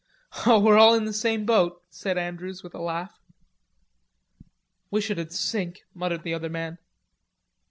"Oh, we're all in the same boat," said Andrews with a laugh. "Wish it'd sink," muttered the other man.